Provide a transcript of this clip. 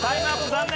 残念。